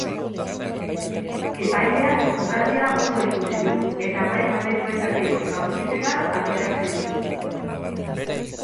Epaileak jokaldia ondo ikusi du eta hamaika metroetatik jaurtiketa adierazi du.